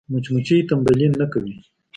مچمچۍ تنبلي نه کوي